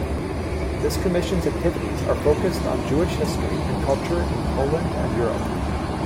This Commission's activities are focused on Jewish history and culture in Poland and Europe.